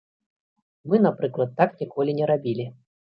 Мы, напрыклад, так ніколі не рабілі.